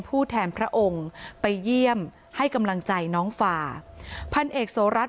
ผู้แทนพระองค์ไปเยี่ยมให้กำลังใจน้องฟาพันเอกโสรัตน